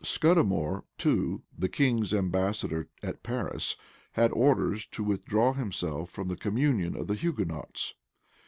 272 Scudamore, too, the king's ambassador at Paris, had orders to withdraw himself from the communion of the Hugonots.